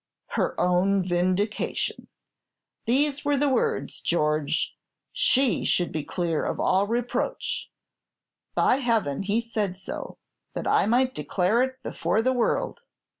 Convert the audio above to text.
Her own vindication, these were the words, George; she should be clear of all reproach. By Heaven, he said so, that I might declare it before the world.